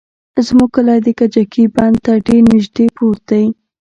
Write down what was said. زموږ کلى د کجکي بند ته ډېر نژدې پروت دى.